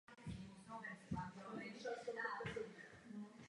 V Německu od téhož roku ceny pracovní síly klesají.